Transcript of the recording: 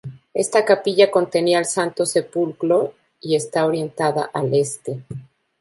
Esta capilla contenía el Santo Sepulcro y está orientada al este.